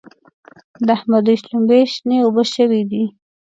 د احمد دوی شلومبې شنې اوبه شوې دي.